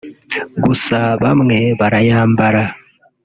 gusa bamwe barayambara